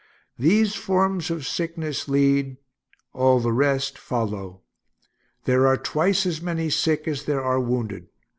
These forms of sickness lead, all the rest follow. There are twice as many sick as there are wounded.